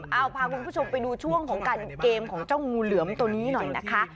เอาพาคุณผู้ชมไปดูช่วงของการเกมของเจ้างูเหลือมตัวนี้หน่อยนะคะ